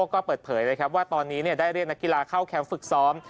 ก็เปิดเผยนะครับว่าตอนนี้ได้เรียกนักกีฬาเข้าแคมป์ฝึกซ้อม